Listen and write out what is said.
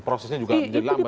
atas tindakan pidana umum